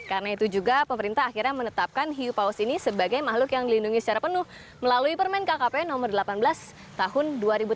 karena itu juga pemerintah akhirnya menetapkan hiu paus ini sebagai makhluk yang dilindungi secara penuh melalui permen kkp nomor delapan belas tahun dua ribu delapan belas